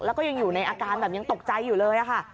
แล้วก็ยังอยู่ในอาการแบบยังตกใจอยู่เลยค่ะ